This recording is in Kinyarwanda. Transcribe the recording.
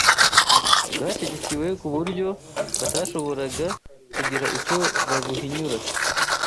bwashyigikiwe ku buryo batashoboraga kugira icyo babuhinyura